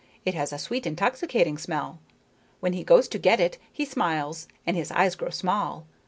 It has a sweet, intoxicating smell. When he goes to get it he smiles, and his eyes grow small.